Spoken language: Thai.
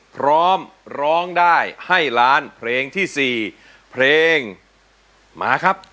พร้อมร้องได้ให้ล้านเพลงที่๔เพลงมาครับ